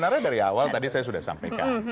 karena dari awal tadi saya sudah sampaikan